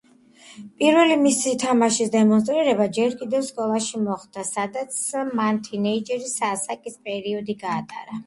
პირველი მისი თამაშის დემონსტრირება ჯერ კიდევ სკოლაში მოხდა, სადაც მან თინეიჯერის ასაკის პერიოდი გაატარა.